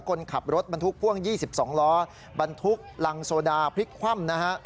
คนขับรถบรรทุกพ่วง๒๒ล้อบรรทุกรังโซดาพลิกคว่ำนะฮะ